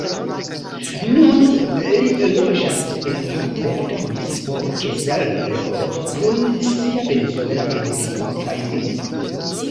Nun li loĝas en la belga municipo Kessel-Lo kun sia venezuela edzino kaj filino.